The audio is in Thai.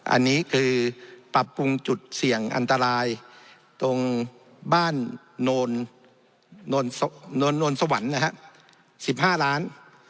อันนี้คือปรับปรุงจุดเสี่ยงอันตรายตรงบ้านโนนสวรรค์นะฮะ๑๕ล้าน